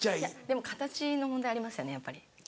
でも形の問題ありますよねやっぱり。